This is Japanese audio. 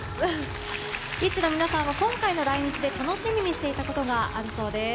ＩＴＺＹの皆さんは今回の来日で楽しみにしていたことがあるそうです。